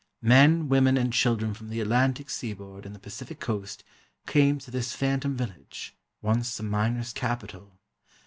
Men, women and children from the Atlantic Seaboard and the Pacific Coast came to this "phantom" village, once the miners' capital.